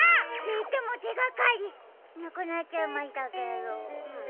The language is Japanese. いってもてがかりなくなっちゃいましたけど。